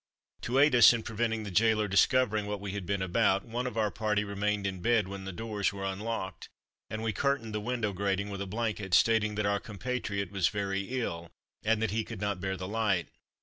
To aid us in preventing the gaoler discovering what we had been about, one of our party remained in bed when the doors were unlocked, and we curtained the window grating with a blanket, stating that our compatriote was very ill and that he could not bear the light.